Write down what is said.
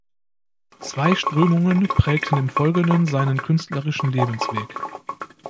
Zwei Strömungen prägten im Folgenden seinen künstlerischen Lebensweg.